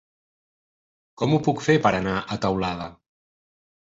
Com ho puc fer per anar a Teulada?